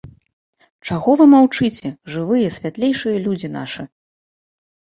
Чаго вы маўчыце, жывыя святлейшыя людзі нашы?